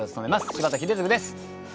柴田英嗣です。